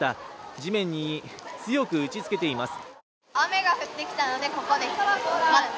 地面に強く打ち付けています。